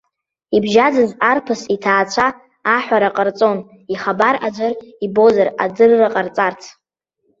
Ибжьаӡыз арԥыс иҭаацәа аҳәара ҟарҵон ихабар аӡәыр ибозар адырра ҟарҵарц.